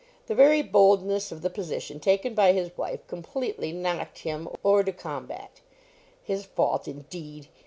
The very boldness of the position taken by his wife completely knocked him hors du combat. His fault, indeed!